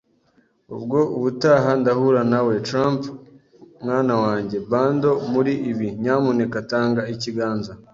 ubwo ubutaha ndahura nawe. Tramp, mwana wanjye. Bundle muri ibi, nyamuneka, tanga ikiganza,